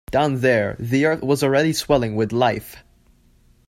Down there the earth was already swelling with life.